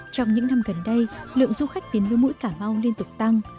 trong những năm gần đây lượng du khách đến lưu mũi cà mau liên tục tăng